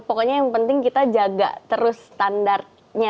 pokoknya yang penting kita jaga terus standarnya